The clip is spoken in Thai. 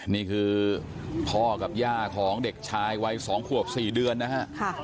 นี่คือพ่อกับย่าของเด็กชายวัย๒ขวบ๔เดือนนะฮะ